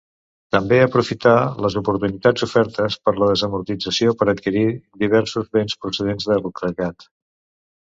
També aprofità les oportunitats ofertes per la desamortització per adquirir diversos béns procedents del clergat.